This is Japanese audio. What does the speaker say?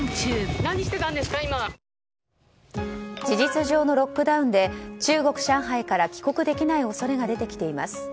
事実上のロックダウンで中国・上海から帰国できない恐れが出てきています。